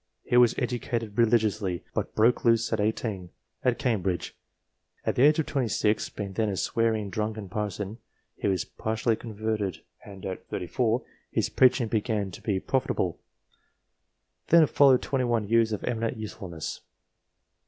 He was educated religiously, but broke loose, set. 18, at Cambridge. At the age of 26, being then a swearing, drunken parson, he was partly converted, and set. 34 his " preaching began to be profitable ;" then followed twenty one years of eminent usefulness.